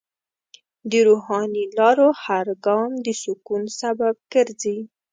د روحاني لارو هر ګام د سکون سبب ګرځي.